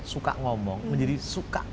suka ngomong menjadi suka